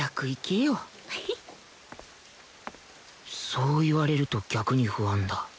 そう言われると逆に不安だ